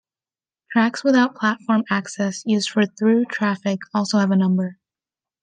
Tracks without platform access, used for through traffic, also have a number.